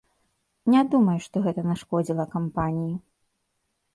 Не думаю, што гэта нашкодзіла кампаніі.